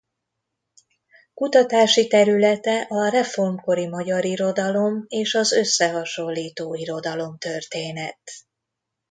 Kutatási területe a reformkori magyar irodalom és az összehasonlító irodalomtörténet.